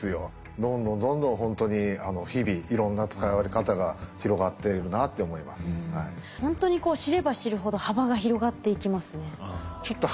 どんどんどんどんほんとに日々ほんとに知れば知るほど幅が広がっていきますね。